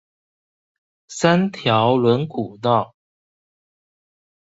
三條崙古道